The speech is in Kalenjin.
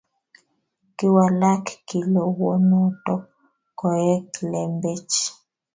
Kiwalak kilowonotok koek lembech